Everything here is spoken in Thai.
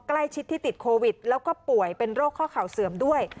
ใกล้ชิดที่ติดโควิดแล้วก็ป่วยเป็นโรคข้อเข่าเสื่อมด้วย